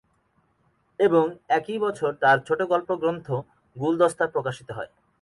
এবং একই বছর তাঁর ছোটোগল্পগ্রন্থ গুলদস্তা প্রকাশিত হয়।